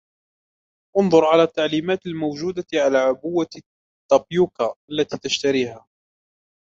أنظر على التعليمات الموجودة على عبوة التابيوكا التي تشتريها.